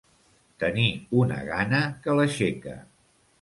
Tenir una gana que l'aixeca.